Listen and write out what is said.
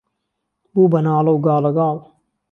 بوو به ناڵه و گاڵه گال